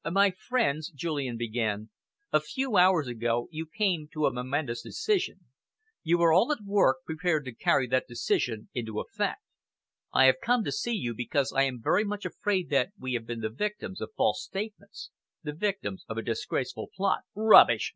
"My friends," Julian began, "a few hours ago you came to a momentous decision. You are all at work, prepared to carry that decision into effect. I have come to see you because I am very much afraid that we have been the victims of false statements, the victims of a disgraceful plot." "Rubbish!"